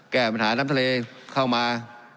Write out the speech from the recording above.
แก้ปัญหาน้ำทะเลเข้ามา